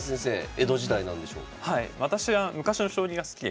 江戸時代なんでしょうか。